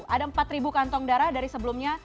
ada empat kantong darah dari sebelumnya